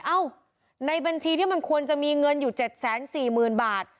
เอ้าในบัญชีที่มันควรจะมีเงินอยู่เจ็ดแสนสี่หมื่นบาท